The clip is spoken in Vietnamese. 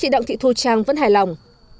đăng vẫn hài lòng